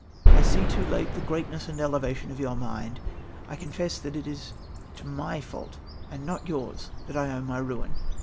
I see too late the greatness and elevation of your mind. I confess that it is to my fault and not yours that I owe my ruin